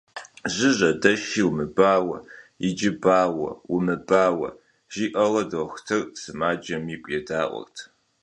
– Жьы жьэдэши умыбауэ! Иджы бауэ! Умыбауэ! - жиӏэурэ дохутырыр сымаджэм и гум едаӏуэрт.